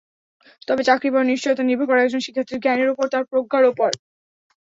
তবে চাকরি পাওয়ার নিশ্চয়তা নির্ভর করে একজন শিক্ষার্থীর জ্ঞানের ওপর, তার প্রজ্ঞার ওপর।